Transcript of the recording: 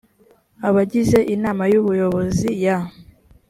abagize inama y ubuyobozi ya